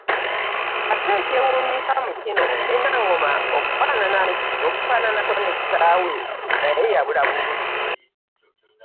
Ate ekyewuunyisa mu kino, ne Naŋŋoma okufaananako ne kitaawe, naye yabula bubuzi.